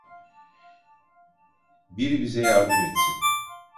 Biri bize yardım etsin!